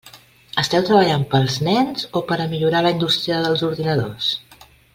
Esteu treballant per als nens o per a millorar la indústria dels ordinadors?